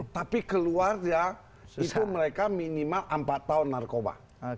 tapi keluar ya itu mereka minimal empat tahun narkoba